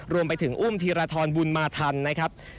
รวมไปถึงอุ้มธีรทรบุญมาทันนะครับ